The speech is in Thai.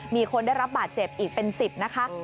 มีคนได้รับบาดเจ็บอีกเป็น๑๐นะคะ